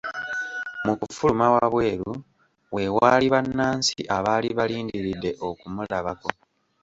Mu kufuluma wabweru we waali bannansi abaali balindiridde okumulabako.